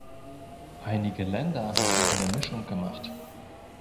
Einige Länder haben eine Mischung gemacht.